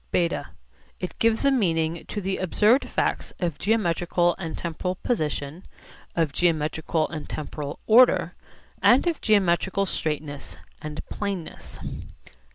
(β) It gives a meaning to the observed facts of geometrical and temporal position, of geometrical and temporal order, and of geometrical straightness and planeness.